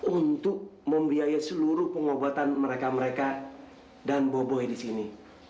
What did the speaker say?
untuk membiayai seluruh pengobatan mereka mereka dan boboh di sini